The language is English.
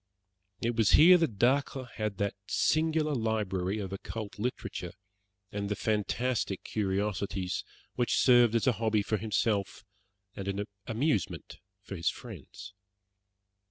It was here that Dacre had that singular library of occult literature, and the fantastic curiosities which served as a hobby for himself, and an amusement for his friends.